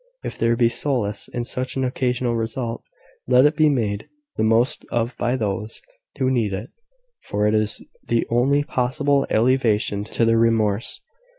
If there be solace in such an occasional result, let it be made the most of by those who need it; for it is the only possible alleviation to their remorse.